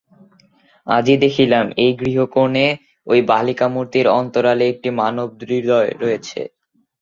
আজ দেখিলাম, এই গৃহকোণে ঐ বালিকামূর্তির অন্তরালে একটি মানবহৃদয় আছে।